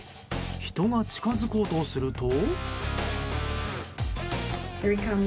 人が近づこうとすると。